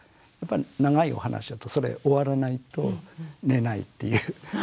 やっぱり長いお話だとそれ終わらないと寝ないっていう。